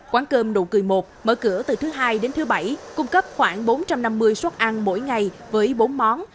quán cơm nụ cười một mở cửa từ thứ hai đến thứ bảy cung cấp khoảng bốn trăm năm mươi suất ăn mỗi ngày với bốn món